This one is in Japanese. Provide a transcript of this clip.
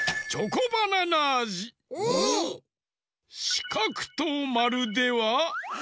しかくとまるでは？